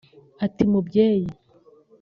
ati "Mubyeyi